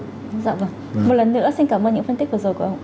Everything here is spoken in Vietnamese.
vâng dạ vâng một lần nữa xin cảm ơn những phân tích vừa rồi của ông